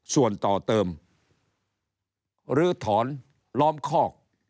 ส่วนต่อเติมหรือถอนล้อมคอก